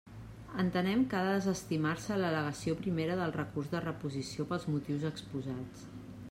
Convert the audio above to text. Entenem que ha de desestimar-se l'al·legació primera del recurs de reposició pels motius exposats.